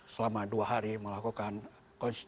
selama dua hari melakukan kondisi nyeri